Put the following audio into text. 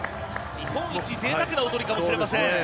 日本一贅沢なおとりかもしれません。